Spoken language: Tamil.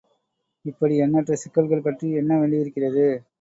இப்படி எண்ணற்ற சிக்கல்கள் பற்றி எண்ண வேண்டியிருக்கிறது.